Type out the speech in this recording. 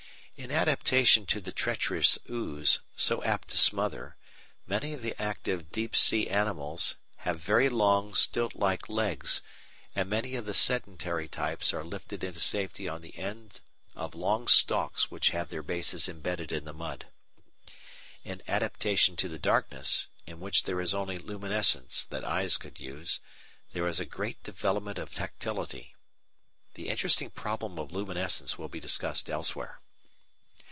In adaptation to the treacherous ooze, so apt to smother, many of the active deep sea animals have very long, stilt like legs, and many of the sedentary types are lifted into safety on the end of long stalks which have their bases embedded in the mud. In adaptation to the darkness, in which there is only luminescence that eyes could use, there is a great development of tactility. The interesting problem of luminescence will be discussed elsewhere.